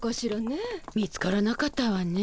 見つからなかったわね。